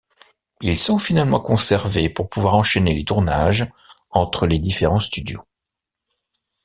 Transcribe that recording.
Ils sont finalement conservés pour pouvoir enchaîner les tournages entre les différents studios.